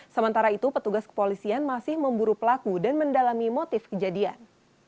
sementara itu petugas kepolisian masih memburu pelaku dan mendalami motif kejadian